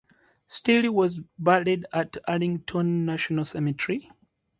Steele was buried at Arlington National Cemetery.